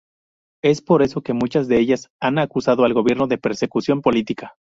Es por eso que muchas de ellas han acusado al gobierno de persecución política.